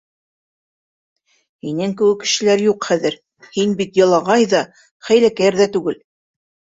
Һинең кеүек кешеләр юҡ хәҙер, һин бит ялағай ҙа, хәйләкәр ҙә түгел.